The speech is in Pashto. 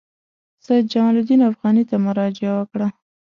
سید جمال الدین افغاني ته مراجعه وکړه.